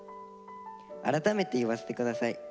改めて言わせて下さい。